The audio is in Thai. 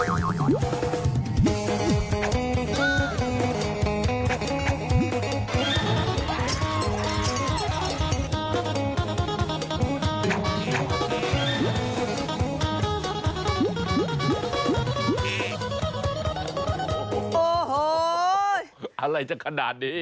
โอ้โหอะไรจะขนาดนี้